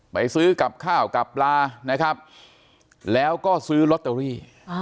ไปซื้อกับข้าวกับปลานะครับแล้วก็ซื้อลอตเตอรี่